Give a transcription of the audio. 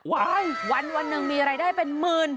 วันหนึ่งมีรายได้เป็นหมื่น